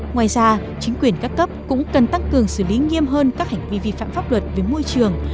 ngoài ra chính quyền các cấp cũng cần tăng cường xử lý nghiêm hơn các hành vi vi phạm pháp luật về môi trường